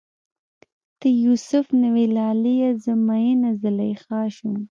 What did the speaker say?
ته یو سف نه وی لالیه، زه میینه زلیخا شوم